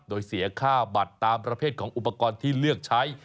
โดยเสียค่าบัตรตามประเภทของอุปกรณ์ที่เลือกใช้